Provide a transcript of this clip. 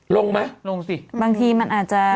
ลงไหมลงสิอืมอืมอืมอืมค่ะอืม